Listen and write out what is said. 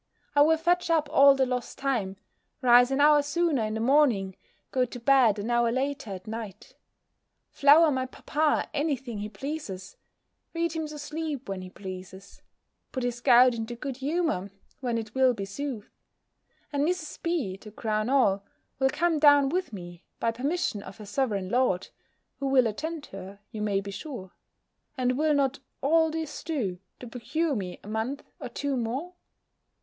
I will fetch up all the lost time; rise an hour sooner in the morning, go to bed an hour later at night; flower my papa any thing he pleases; read him to sleep when he pleases; put his gout into good humour, when it will be soothed And Mrs. B., to crown all, will come down with me, by permission of her sovereign lord, who will attend her, you may be sure: and will not all this do, to procure me a month or two more?